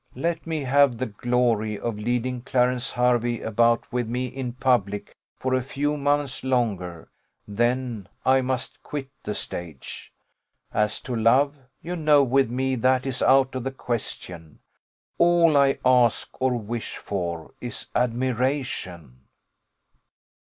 Let me have the glory of leading Clarence Hervey about with me in public for a few months longer, then I must quit the stage. As to love, you know with me that is out of the question; all I ask or wish for is admiration."